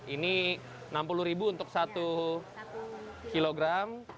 ini rp enam puluh untuk satu kilogram